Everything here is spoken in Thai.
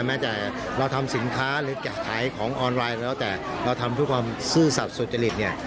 แม้แต่เราทำสินค้าหรือขายของออนไลน์แล้วแต่เราทำทุกความซื่อสับสุจริง